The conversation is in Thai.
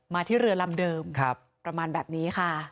ที่เรือลำเดิมประมาณแบบนี้ค่ะ